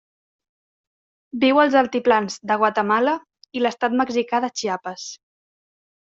Viu als altiplans de Guatemala i l'estat mexicà de Chiapas.